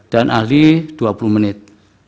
dan ahli dua puluh menit